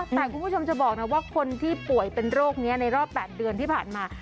แต่คุณผู้ชมจะบอกนะว่าคนที่ป่วยเป็นโรคนี้ในรอบ๘เดือนที่ผ่านมา